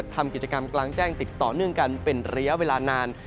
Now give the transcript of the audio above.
ทำกิจกรรมกลางแจ้งติดต่อเนื่องกันเป็นระยะเวลานาน